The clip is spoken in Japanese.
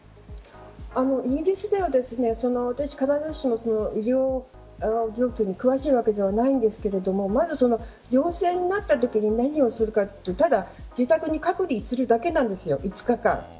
イギリスでは私、必ずしも医療事情に詳しいわけではないんですがまず陽性になったときに何をするかってただ、自宅に隔離するだけなんです、５日間。